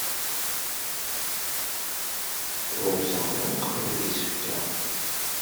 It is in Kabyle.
Ṛuza ur tqebbel isefka.